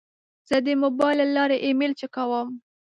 زه د موبایل له لارې ایمیل چک کوم.